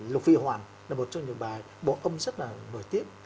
lục vy hoàng là một trong những bài bổ âm rất là nổi tiếng